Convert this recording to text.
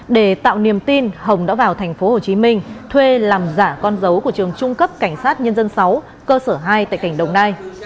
để tạo niềm tin hồng đã vào tp hcm thuê làm giả con dấu của trường trung cấp cảnh sát nhân dân sáu cơ sở hai tại tỉnh đồng nai